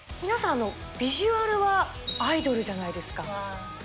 皆さん、ビジュアルはアイドルじゃないですか。